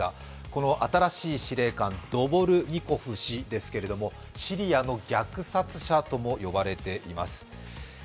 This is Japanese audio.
この新しい司令官ドボルニコフ氏ですけどもシリアの虐殺者とも呼ばれています。